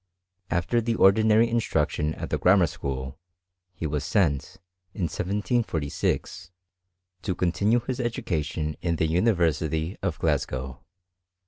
After the ordinary instruction at the grammar school, he was sent, in 1746, to continue his education in the Uni versity of Glasgow.